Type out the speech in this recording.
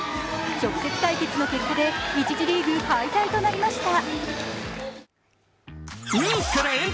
直接対決の結果で１次リーグ敗退となりました。